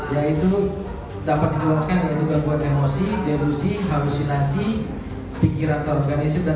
yang dapat dijelaskan dengan kekuatan emosi delusi halusinasi pikiran terorganisir dan